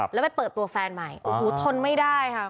แล้วไปเปิดตัวแฟนใหม่โอ้โหทนไม่ได้ค่ะ